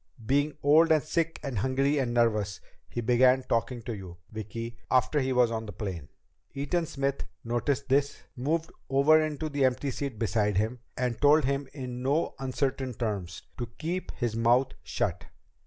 Being old and sick and hungry and nervous, he began talking to you, Vicki, after he was on the plane. Eaton Smith noticed this, moved over into the empty seat beside him, and told him in no uncertain terms to keep his mouth shut.